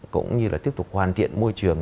cũng như là tiếp tục hoàn thiện môi trường